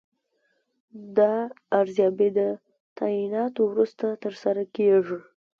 دا ارزیابي د تعیناتو وروسته ترسره کیږي.